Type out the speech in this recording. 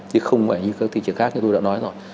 chứ không phải như các thị trường khác như tôi đã nói rồi